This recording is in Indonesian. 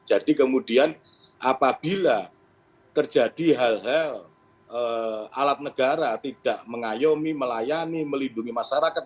jadi kemudian apabila terjadi hal hal alat negara tidak mengayomi melayani melindungi masyarakat